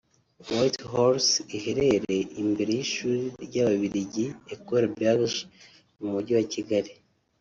White Horse iherere imbere y’Ishuri ry’Ababiligi (Ecole Belge) mu mujyi wa Kigali